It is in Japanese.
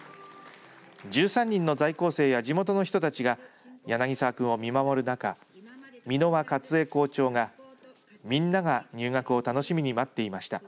１３人の在校生や地元の人たちが柳澤君を見守る中蓑輪勝枝校長が、みんなが入学を楽しみに待っていました。